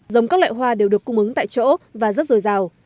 giống các loại hoa đều được cung ứng tại chỗ và rất rồi rào